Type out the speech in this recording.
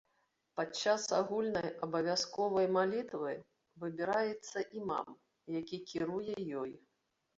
Падчас агульнай абавязковай малітвы, выбіраецца імам, які кіруе ёй.